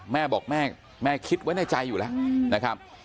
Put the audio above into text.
แม่บอกแม่คิดไว้ในใจอยู่แล้วนะครับ